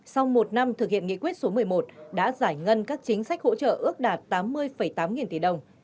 sau một năm thực hiện nghị quyết số một mươi một đã giải ngân các chính sách hỗ trợ ước đạt tám mươi tám nghìn tỷ đồng